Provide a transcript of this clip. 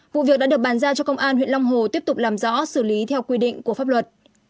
vụ việc đã được bàn giao cho công an huyện long hồ tiếp tục làm rõ xử lý theo quy định của pháp luật